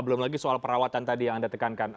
belum lagi soal perawatan tadi yang anda tekankan